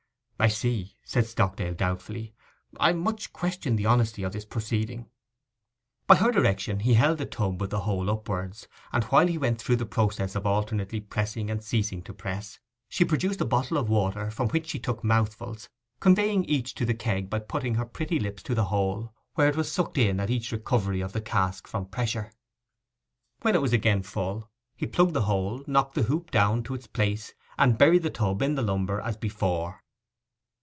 'I see,' said Stockdale doubtfully. 'I much question the honesty of this proceeding.' By her direction he held the tub with the hole upwards, and while he went through the process of alternately pressing and ceasing to press, she produced a bottle of water, from which she took mouthfuls, conveying each to the keg by putting her pretty lips to the hole, where it was sucked in at each recovery of the cask from pressure. When it was again full he plugged the hole, knocked the hoop down to its place, and buried the tub in the lumber as before.